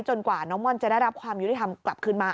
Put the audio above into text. กว่าน้องม่อนจะได้รับความยุติธรรมกลับขึ้นมา